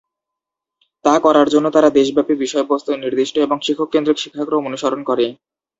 তা করার জন্য তারা দেশব্যাপী, বিষয়বস্তু-নির্দিষ্ট এবং শিক্ষক-কেন্দ্রিক শিক্ষাক্রম অনুসরণ করে।